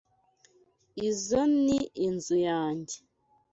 Izoi ni inzu yanjye.